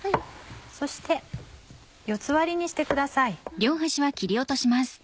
そして４つ割りにしてください。